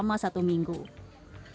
terakhir hapus semua aplikasi media